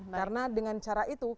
karena dengan cara itu